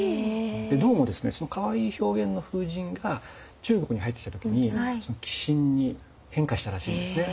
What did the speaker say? でどうもですねかわいい表現の風神が中国に入ってきた時に鬼神に変化したらしいんですね。